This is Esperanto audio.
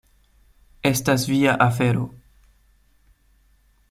Estas via afero.